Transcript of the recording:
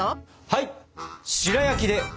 はい！